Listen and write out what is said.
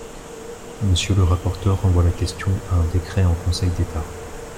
Monsieur le rapporteur renvoie la question à un décret en Conseil d’État.